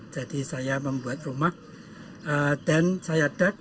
jadi saya membuat rumah dan saya dak